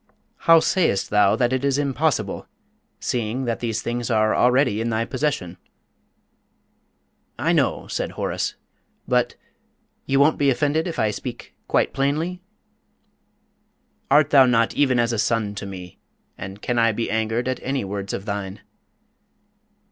"How sayest thou that it is impossible seeing that these things are already in thy possession?" "I know," said Horace; "but you won't be offended if I speak quite plainly?" "Art thou not even as a son to me, and can I be angered at any words of thine?"